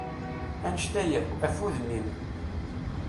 Annect-a yak, af udem-im!